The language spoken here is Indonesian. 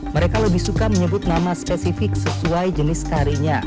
mereka lebih suka menyebut nama spesifik sesuai jenis karinya